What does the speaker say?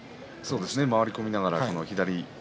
周り込みながら左